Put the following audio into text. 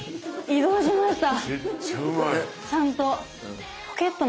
移動しました。